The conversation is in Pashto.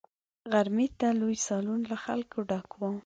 غرمې ته لوی سالون له خلکو ډک وو.